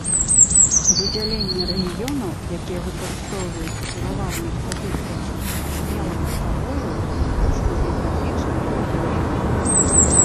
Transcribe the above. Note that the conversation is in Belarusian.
Выдзяленне рэгіёнаў, якія выкарыстоўваюцца пераважна ў статыстыцы, мела пад сабою выключна геаграфічны крытэрый.